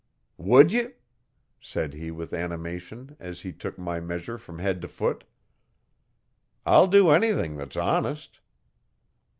'Wud ye?' said he with animation, as he took my measure from head to foot. 'I'll do anything that's honest.'